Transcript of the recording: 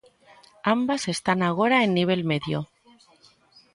Ambas están agora en nivel medio.